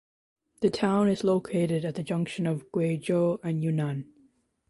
The town is located at the junction of Guizhou and Yunnan.